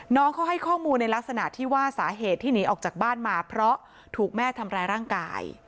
น้องเขาให้ข้อมูลในลักษณะที่ว่าสาเหตุที่หนีออกจากบ้านมาเพราะถูกแม่ทำร้ายร่างกาย